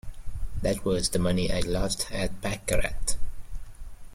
That was the money I lost at baccarat.